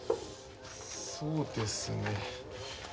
そうですね。